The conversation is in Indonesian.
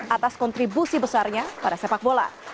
atas kontribusi besarnya pada sepak bola